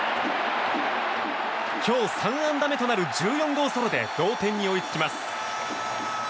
今日３安打目となる１４号ソロで同点に追いつきます。